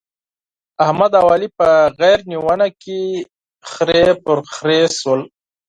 احمد او علي په غېږ نيونه کې خرې پر خرې شول.